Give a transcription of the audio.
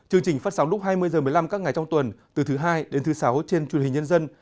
chương trình phát sóng lúc hai mươi h một mươi năm các ngày trong tuần từ thứ hai đến thứ sáu trên truyền hình nhân dân